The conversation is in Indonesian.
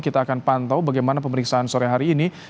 kita akan pantau bagaimana pemeriksaan sore hari ini